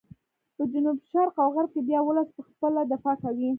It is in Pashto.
په جنوب شرق او غرب کې بیا ولس په خپله دفاع کوي.